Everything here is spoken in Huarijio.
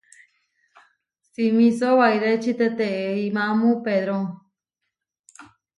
Simisó wairéči teteimámu pedro.